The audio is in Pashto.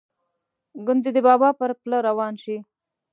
ګوندې د بابا پر پله روان شي.